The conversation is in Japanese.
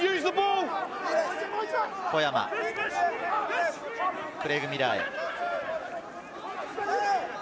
小山、クレイグ・ミラーへ。